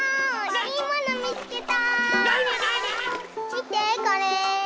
みてこれ！